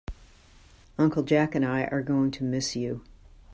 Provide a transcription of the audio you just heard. Uncle Jack and I are going to miss you.